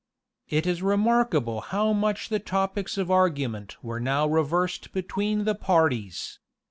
[*] It is remarkable how much the topics of argument were now reversed between the parties.